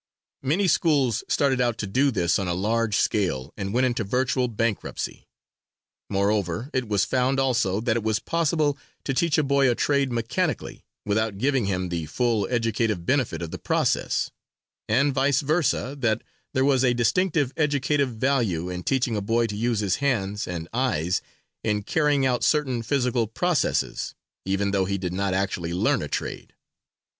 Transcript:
Many schools started out to do this on a large scale and went into virtual bankruptcy. Moreover, it was found also that it was possible to teach a boy a trade mechanically, without giving him the full educative benefit of the process, and, vice versa, that there was a distinctive educative value in teaching a boy to use his hands and eyes in carrying out certain physical processes, even though he did not actually learn a trade.